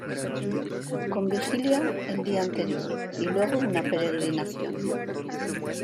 Con vigilia el día anterior y luego una peregrinación.